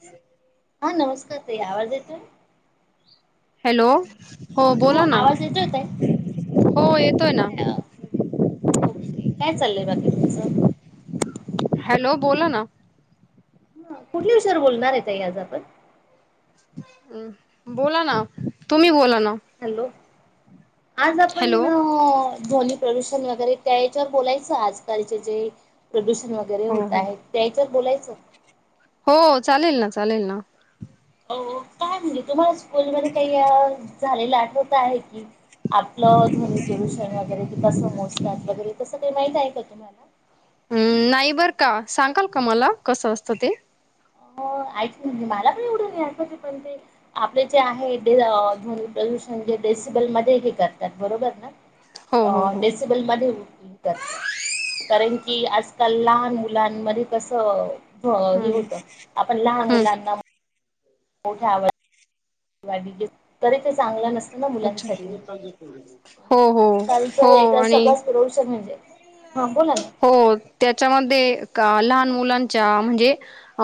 हम हा नमस्कार ते यावर्ज येतय हॅलो हो बोला ना आवाज येत होत आहे हो येतोय ना काय ओके काय चाललंयक् च हॅलो बोला ना ह कुठल्या विषयावर बोलणार आहेत स आजाबाद म् बोला ना तुम्ही बोला ना हॅलो आज आपण हॅलो ध्वनी प्रदूषण वगैरे त्या याच्यावर बोलायचं आजकालचे जे प्रदूषण वगैरे हो होत हो आहेत त्याच्यावर बोलायच ज हो चालेल ना चालेल ना काय म्ह तुम्हाला स्कूलमध्येध्ये काही झालेलं आठवत आहे की आपलं ध्वनी प्रदूषण वगैरे तेस समोसात वगैरे तसग काही माहित आहे का तुम्हाला हम् नाही बर का सांगाल का मला कसं असतं ते ऐकजे मला पण एवढं नाही आठकवते पण ते आपले जे आहेन प्रदूषण जे ्रेसिबल मध्ये हे करतात बरोबर हो हो ना हो डसबल म करतात कारण की आजकाल लहान मुलांमध्ये कस हो हे हम्म होतं आपण लहान हम्म मुलांना मोठे आवड तरी ते चांगलं नसत अच्छा हो हो हो आजकालचं हे तर आणि सगळंच प्रदूषण म्हणजे हा बोला ना. हो त्याच्यामध्ये लहान मुलांच्या म्हणजे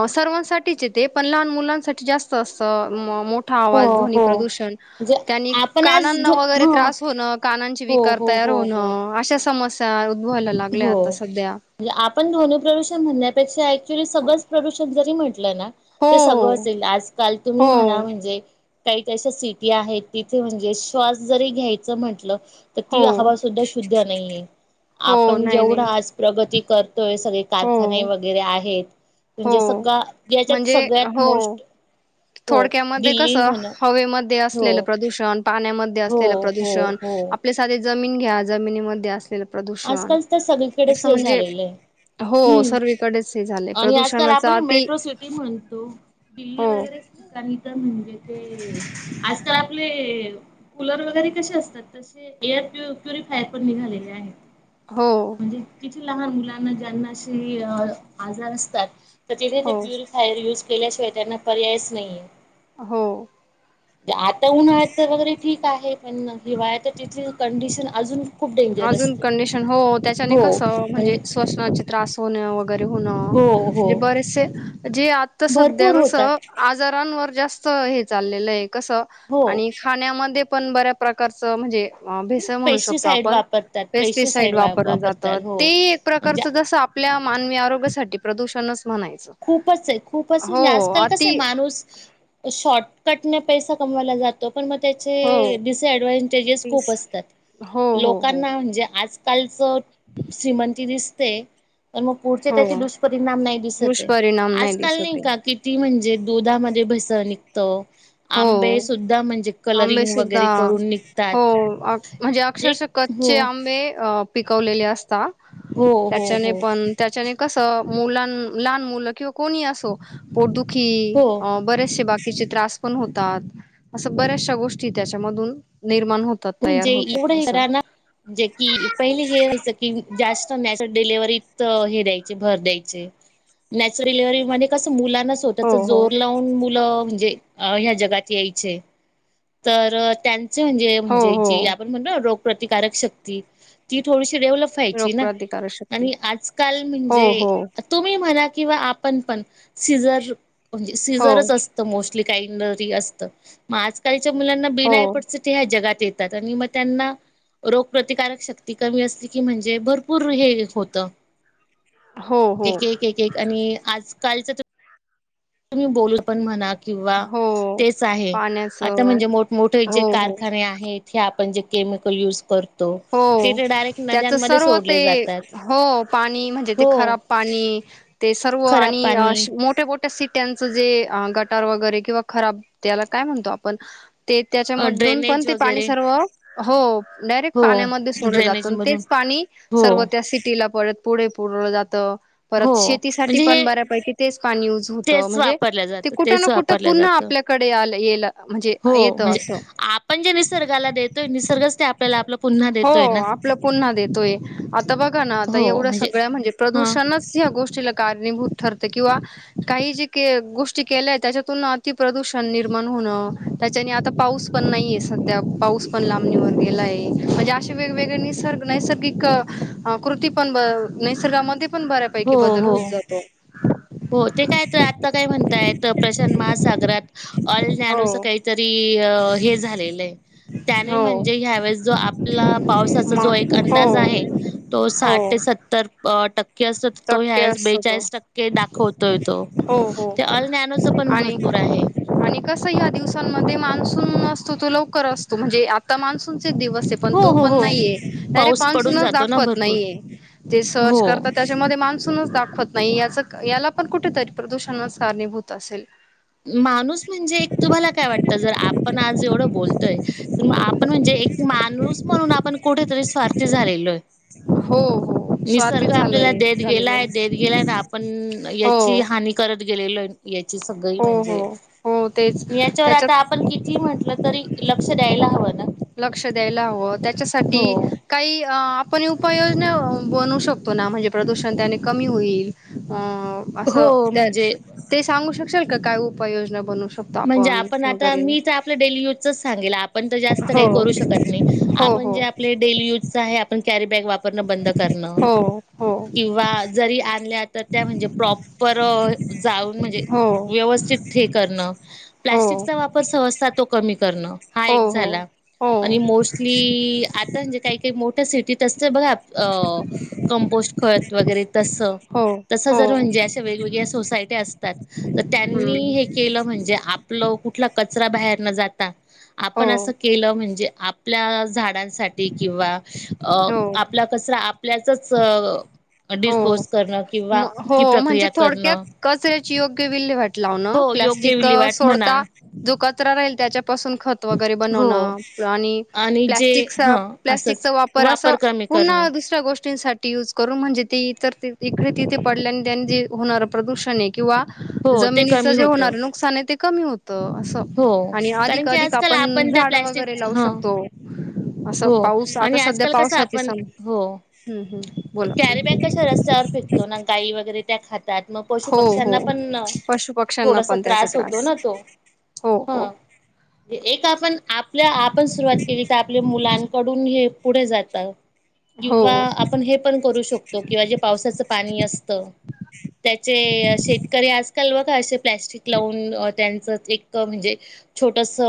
सर्वांसाठीच येते पण लहान मुलांसाठी जास्त असं मो मोठा हो आवाज ध्वनी हो प्रदूषण म्हणजे त्यांनी आपण आज कानांना झो वगैरे हो त्रास होणं कानांचे हो विकार हो तयार हो होण हो अशा समस्या उद्भवायला लागल्या हो आता सध्या म्हणजे आपण ध्वनि प्रदूष म्हणण्यापेक्षा सज प्रदूषण जरी म्हटलं हो ते सगळ असेल आजकाल तुम्ही हो म्हणा हो म्हणजे काही त्याशा सिटी आहेत तिथे म्हणजे श्वास जरी घ्यायचं म्हटलं तर ती हो हवा सुद्धा शुद्ध नाहीये हो आपण नाही जेवढा नाही आज प्रगती करतोय सगळे हो कारखाने वगैरे आहेत हो म्हणजे सगळ याच्यात म्हणजे सगळ्यात हो मोस्ट हो थोडक्यामध्ये कस दिल्ली म्हण हवे म हो असलेलं प्रदूषण पाण्यामध्ये हो असलेलं हो प्रदूषण हो आपल्या साधे जमीन घ्या जमिनीमध्ये अस आजकालच तर सगळीकडेच हे झालेलं आहे हो हम्म सर्वीकडेच हे झाले आणि आजकाल प्रदूषणाचा आपण अति मेट्रो सिटी म्हणतो दिल्ली हो वगैरे तर म्हण ते आजकाल आपले कूलर वगैरे कसे असतात तसे एअर प्यु प्युरिफायर पण निघालेले आहेत हो म्हणजे तिथे लहान मुलांना ज्यांनाशी आजार असतात तर तिथे हो प्युरिफाय यज केल्याशिवाय त्यांना पर्यायच नाही हो आहे आता उन्हाळ तर वगैरे ठीक आहे पण हिवाळ्यात तर तिथली कंडिशन अजून खूप डेंजर अजून असते कंडिशन हो त्याच्याने कस म्हणजे श्वासनाचे त्रास होन वगै बरं होन हो ते हो बरेच से जे आता सद्या भरपूर कस होतात आजार फळांवर हे जास्त हे चाललेलं आहे. कस हो. आणि खाण्यामध्ये पण बऱ्या प्रकारचं म्हणजे भेसळ म्हणू शकतो पेस्टिसाईड आपण. वापरतात पेस्टिसाईड वा वापरलं जात, वापरतात हो ते एक म्हणजे प्रकारच जस आपल्याला मानवी आरोग्यासाठी प्रदूषणच म्हणायचं खूपच आहे. खूपच हो आणि आजकाल कसंय अति माणूस शॉर्ट कटणं पैसा कमवाला जातो. पण म त्याचे हो डिसअडवांटेजेस खूप असतात. हो हो हो लोकांना म्हणजे आज कल जर श्रीमंती दिस ते तर मग पुढचे त्याचे हो दुष्परिणाम नाही दिसत. दुष्परिणाम आजकाल दिसत नाही आहे का किती म्हणजे दुधामध्ये भेसळ निघतं. हो, आंबे सुद्धा म्हणजे आंबे कलरिंग सुद्धा वगैरे करून निघतात हो म्हणजे एक अक्षरशः हो कच्चे आंबे अ पिकवलेले असता हो हो हो. कस मुलां लहान मुलं किंवा कोणी असो पोट दु खी हो बरेचसे बाकी कीचे त्रास पण होतात. असं बऱ्याचशा गोष्टी त्याचा मधून निर् म्हणजे एवढं खरं आहे ना जेकी पहिले हे व्हायचं की जास्त नॅचर डिलव्हरी तिथ हे द्यायचे ते भर द्यायचे नॅचरीलिव्हरी मधी कसं मुलां हो स्वतःच हो जोर लावून मुलं म्हणजे अ या जगात यायचे आहे. तर त्यांचे म्हणजे [unintelligible] हो जे हो जी आपण म्हणतो ना रोग प्रतिकारक शक्ती ती थोडीशी डेवलप व्हायची ना, रोगप्रतिकारक शक्ती आणि आजकाल हो म्हणजे हो तुम्ही म्हणा किंवा आपण पण सिझर म्हणजे हो सीझरच असतं मोस्ट. [unintelligible] असत मग आज काल मुलांना हो बिनायपट ह्या जगात य आणि मग त्यांना रोगप्रतिकारक शक्ती कमी असली की म्हणजे भरपूर हे होत. हो हो एक.. एक एक.. एक आणि आज कालच तुम्ही बोलू पण म्हणा किंवा हो तेच आहे आता पाण्याचं म्हणजे मोठमोठे जे हो हो कारखाने आहेत हे [unintelligible] पंज क केमिकल यूज कर हो त्याच सर्व सोडले ते जातात हो पाणी म्हणजे ते हो खराब पाणी ते सर्व खराब आणि पाणी अशी मोठे मोठे सीट्यांच जे गटार वगैरे किंवा खराब त्याला, काय म्हणतो आपण? ते अ त्याच्यामधून पण ड्रेनेज ते पाणी वगैरे सर्व हो हो पाण्यामध्ये सोडलं जात ड्रेनेज मधून तेच पाणी हो सर्व त्या सिटीला परत पुढे पुरला जातो हो परत शेतीसाठी म्हणजे पण हे बऱ्यापैकी तेच पाणी युज होतं तेच म्हणजे, वापरलं ते जातं कुठं ना तेच कुठं वापरलं पुन्हा जातं आपल्याकडे आ येला म्हणजे हो येतं म्हणजे असं आपण जे निसर्गाला देतोय निसर्गच ते आपल्याला आपलं. पुन्हा हो देतोय [inaudible] ना आपलं पुन्हा देतोय आता बघा ना आता एवढ्या सगळ्या म्हणजे हा प्रदूषणच गोष्टीला कारणीभूत ठरते किंवा काही जे गोष्टी केल्याय त्याच्यातून अतिप्रदूषण निर्माण होणं. [inaudible] त्याच्याने आता पाऊस पण नाहीय सध्या पाऊस पण लांबणीवर गेलाय. म्हणजे अे वेगवेगळे निसर् नैसर्गिक कृती पण नैसर्गामध्ये पण बऱ्यापैकी हो बदल हो होत जातो [unintelligible] हो ते काय? तर आत्ता काय? म्हणताय प्रशांत महासागरात. अल नॅनोस हो काहीतरी हे झालेलं आहे त्याने हो म्हणजे ह्यावेेळेस जो आपला पावसाचा जो एक म हो अंदाज आहे तो साठ ते हो सत्तर टक् अस तो चक्के ह्यास असतो तो बेचाळीस टक्के दाख हो [inaudible] पण आणि भरपूर आहे. आणि [inaudible] कस या दिवसांमध्ये मान्सून असतो तो लवकर असतो म्हणजे आ मान्सून [inaudible] दिवस पण हो, तो हो, पण हो. नाहीये डायरेक्ट पाऊस पडून मान्सूनच जातो ना दाखवत भरपूर. नाहीे ते सर्च हो. कर मान्सूनच दाखवत नाही याच याला पण कुठेतरी प्रदूषण कारणीभूत असेल? माणूस म्हणजे तुम्हाला काय वाटत जर आपण आज. जेवढ बोलतय आपण म्हणजे एक माणूस म्हणून आपण कुठेतरी स्वार्थी झालेलो आहे. हो हो स्वाती निसर्ग आपल्याला झालंय देत गेलाय, झालेलं देत गेलाय ना आपण हो याची हानी करत गेलेलो आहे. याची हो हो म्हणजे हो तेच याच्यावर आता त्याच्यात आपण किती म्हंटलं तरी लक्ष द्यायला हवं ना. लक्ष द्यायला हवं हो त्याच्यासाठी काही आपण उपाययोजना बनवू शकतो ना म्हणजे प्रदूषण त्याने कमी होईल. असं हो म्हणजे ते सांगू शकत सांगाल का काय उपाययोजना बनून. म्हणजे आपण आता मी तर आपल्या डेली युजच सांगेल. पण तर जास्त काही हो करू शकत नाही हो आपन हो जे आपले डेली यूजच आहे आपण कॅरी बॅग वापरण बंद करण हो हो किंवा जरी आणल्या तर त्या म्हणजे प्रॉपर जाऊन म्हणजे हो व्यवस्थित हे करणं. हो प्लास्टिकचा वापर सहजता तो कमी कर करण हा एक हो झाला हो हो आणि मोस्टली आता म्हणजे काही काही मोठ्या सिटी जर बघा कंपोस्ट खत वगैरे तस हो तस हो जर म्हणजे अशा वेगवेगळ्या सोसायटी असतात तर त्यांनी हम्म हे केलं म्हणे जे आपलं कुठला कचरा बाहेर न जाता हो आपण असं केलं म्हणजे आपल्या झाडांसाठी किंवा अ हो आपला कस आपल्या हो करणं म्हण किंवा ती हो म्हणजे प्रक्रिया थोडक्यात करणं कचऱ्याची योग्य विल्हेवाट लावण हो योग्य प्लास्टिक क विल्हेवाट म्हणा सोडता तो कचरा राहील त्याच्या पासून खत वगैरे हो बनवण आणि जे प्लास्टिक ह असंच प्लास्टिकचा वापर अस कमी करणं पुन्हा दुसऱ्या गोष्टी [unintelligible] ती यूज करू म्हणजे ते इतर इकडे तिथे पडल्या आणि त्यां जे होणार प्रदूषण आहे. किंवा हो ते जमिनीच कमी जे होतं. होणार नुकसान आहे ते कमी होत. असं हो आणि कारण अधिक की अधिक आजकाल आपण त्या झाड प्लॅस्टिक वगैरे लावू ह शकतो. हो असं पाऊस आता आणि सध्या आजकाल पावसाचे सम हम् हम्म बोला पण कॅरी बॅग कशा रस्त्यावर फेकतो ना गाई वगैरे त्यात मग पशु हो हो पक्ष्यांना पण पशु पक्ष्यांना थोडासा पण त्याचा त्रास होतो ना तो हो ह हो एक आपण आपल्या आपण सुरवात केली. मुलांकडून हे पुढे जात. किंवा हो आपण हे पण करू शकतो किंवा जे पावसाचं पाणी असत त्याचे शेतकरी कल्व काश [unintelligible] प्लॅस्टिक लावून अ त्यांचं. एक म्हणजे छोटस अ.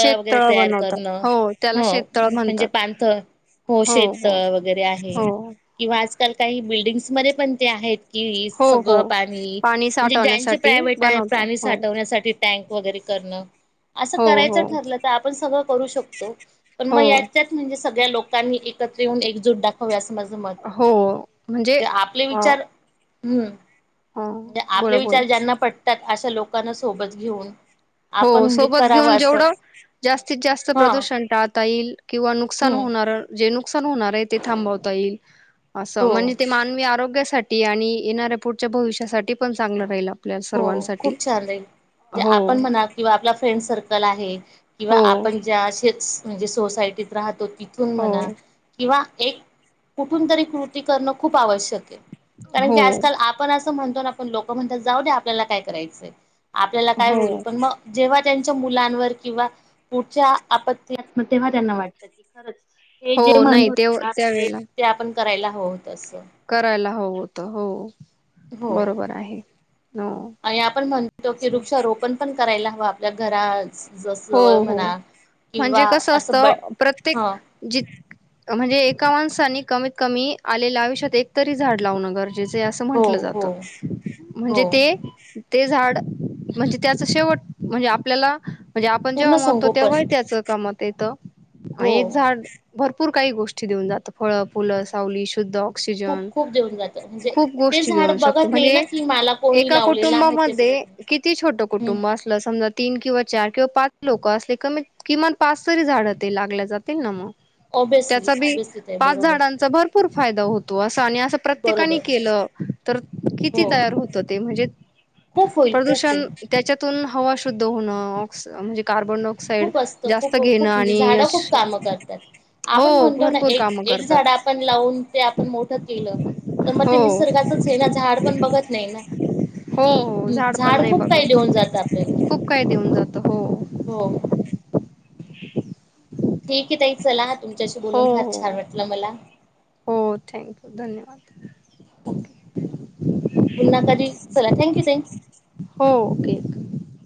शेततळ बनवतात हो. त्याला हो शेततळ म्हणजे म्हणतात पान्थ हो शेत तळ वगैरे आहे हो किंवा. आजकाल काही बिल्डिंग्स मध्ये पण ते आहेत. कि हो सगळं हो पाणी म्हणजे ज्यांचे साठवण्यासाठी प्रायव्हेट आहे बनवतात प्राणी हो साठवण्यासाठी. टँक वगैरे करणं. असं हो करायचं हो ठरलं तर आपण सगळं करू शक पण म हो याच्यात म्हणजे. सगळ्या लोकांनी एकत्र येऊन एकजूट दाखव्या स हो म्हणजे आपले अ. विचार हम्म. ह म्हणजे बोला आपले बोला विचार ज्यांना पडतात. अशा लोकांना सोबत घेऊन. हो आपण म्हणजे सोबत करावं घेऊन असं जेवढं जास्तीत जास्त हा प्रदूषण. म्हणत आता ईल किवा नुकसान हम्म होनार जे नुक नुकसान होणार हे ते थांबवता येईल. असं हो म्हणजे ते मानवी आरोग्यास साठी आणि येणाऱ्या पूढच्या भविष्यासाठी पण चांगलं राहिलं. हो खूप छान राहील तो हो आपण म्हना. किंवा आपला फ्रेंड सर्कल आहे. किंवा हो आपण जे आशेच म्हणजे सोसायटीत राहतो. तीथून हो म्हणा किंवा. एक कुठून तरी कृती करणं खूप आवश्य कारण हो की आजकाल आपण अस म्हणतो ना, लोक म्हणतात जाऊव दे आप आपल्याला काय करायचंय. आपल्याला काय हो होईल पण म जेव्हा. त्यांच्या मुलांनवर किंवा पुढच्या आपत्ती [unintelligible] तेव्हा त्यांना वाटतं कि खरच. ते हो जे म्हणत नाही होते ना ते त्यावेेळेला ते आपण. करायला हवं होत असं. करायला हवं होत हो हो बरोबर आहे हो आणि आपण म्हणतो की वृक्षारोपण पण करायला हवं आपल्या घरच हो हो म्हणजे कसं असत असं बट प्रत्येक ह ज म्हणजे एका माणसानी कमीत कमी आलेल्या आयुष्यात एकतरी झाड लावणं गर असं हो म्हंटलं हो जात हो म्हणजे ते ते झाड म्हणजे त्याच शेवट म्हणजे आपल्याला म्हणजे आपण जेव्हा पूर्ण मरतो संगोपन तेव्हा त्याच कामात तेेतो हो एक झाड भरपूर काही गोष्टी देऊन जातात फळ फुलं हो. सावली शुद्ध खूप ऑक्सिजन खूप देऊन जातं म्हणजे खूप ते गोष्टी झाड घेऊन शकत बघत नाही ना म्हणजे की मला कोणी एका लावलेलं आहे ते बघत कुटुंबामध्ये नाही किती छोट हम्म कुटुंब असलं समजा तीन किंवा चार किंवा पाच लोक असले कमी किमान पाच तरी झाडं ते लागल्या जातील ना मग ऑब्विसली त्याचा बी ऑब्विसली ताई पाच बरोबर झाडांचा भरपूर फायदा होतो असं आणि असं प्रत्येकानी बरोबर केलं तर किती हो तयार होत ते म्हणजे खूप होईल खूप प्रदूषण होईल त्याच्यातून हवा शुद्ध होणं म्हजे खूप असतं खूप खूप म्हणजे आणि झाडं खूप कामं करतात आपण हो म्हणतो ना भरपूर एक कामं एक झाड करतात आपण लावून ते आपण मोठं केलं तर मग ते हो निसर्गाचच आहे ना झाड पण बघत नाही ना हो हो की पण झाड नाही खूप काही देऊन जातं आपल्याला त हो [unintelligible] ठीक आहे त चला तुमच्याशी हो बोलून फार छान हो वाटलं मला हो थँक यू धन्यवाद ओके पुन्हा कधी चला थँक यू हो ओके